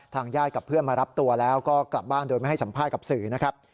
ญาติกับเพื่อนมารับตัวแล้วก็กลับบ้านโดยไม่ให้สัมภาษณ์กับสื่อนะครับ